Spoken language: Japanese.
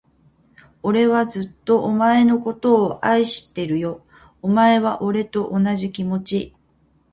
俺はずっと、お前のことを愛してるよ。お前は、俺と同じ気持ち？